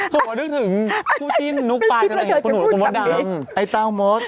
ถูกว่านึกถึงคู่จิ้นนุกปลายนี่กูหนูเขาบอกดังไอ้เต้ามด